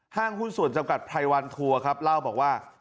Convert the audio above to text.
หุ้นส่วนจำกัดไพรวันทัวร์ครับเล่าบอกว่า